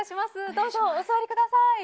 どうぞお座りください。